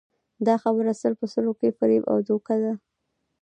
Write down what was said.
دا خبره سل په سلو کې فریب او دوکه ده